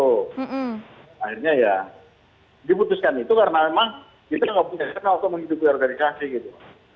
akhirnya ya diputuskan itu karena memang kita tidak punya kena untuk menghidupkan organisasi gitu